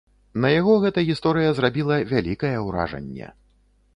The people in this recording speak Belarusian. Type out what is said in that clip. На яго гэта гісторыя зрабіла вялікае ўражанне.